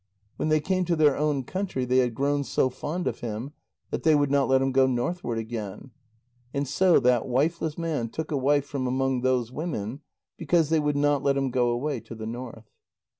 When they came to their own country, they had grown so fond of him that they would not let him go northward again. And so that wifeless man took a wife from among those women, because they would not let him go away to the north.